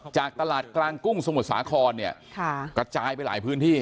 จากตลาดกลางกุ้งสมุทรสาครเนี่ยกระจายไปหลายพื้นที่